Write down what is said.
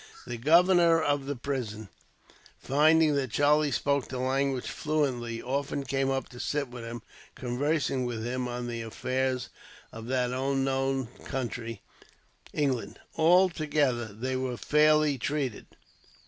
The governor of the prison, finding that Charlie spoke the language fluently, often came up to sit with him, conversing with him on the affairs of that unknown country, England. Altogether, they were fairly treated.